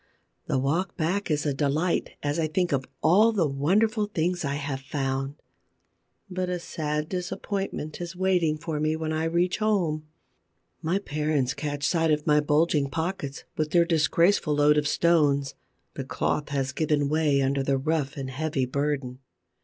The walk back is a delight, as I think of all the wonderful things I have found. But a sad disappointment is waiting for me when I reach home. My parents catch sight of my bulging pockets, with their disgraceful load of stones. The cloth has given way under the rough and heavy burden.